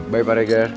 bye pak regar